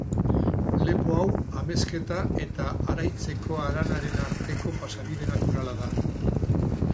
Lepo hau, Amezketa eta Araitzeko haranaren arteko pasabide naturala da.